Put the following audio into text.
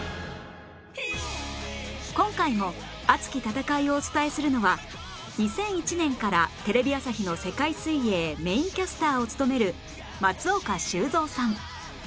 今回も熱き戦いをお伝えするのは２００１年からテレビ朝日の世界水泳メインキャスターを務める松岡修造さん